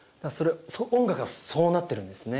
音楽がそうなってるんですね